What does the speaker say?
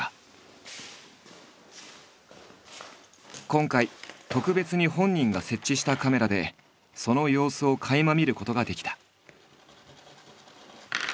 今回特別に本人が設置したカメラでその様子をかいま見ることができた。